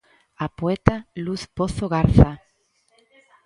A poeta Luz Pozo Garza.